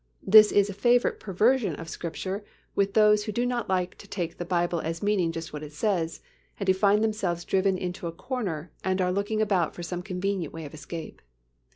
This is a favourite perversion of Scripture with those who do not like to take the Bible as meaning just what it says and who find themselves driven into a corner and are looking about for some convenient way of escape.